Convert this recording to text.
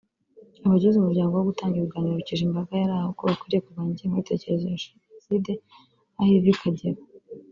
Abagize umwanya wo gutanga ibiganiro bibukije imbaga yari aho ko bakwiye kurwanya ingengabitekerezo ya Jenocide aho iva ikagera